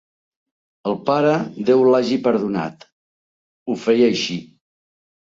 El pare, Déu l'hagi perdonat!, ho feia així.